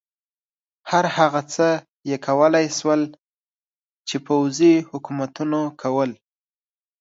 هر هغه څه یې کولای شول چې پوځي حکومتونو کول.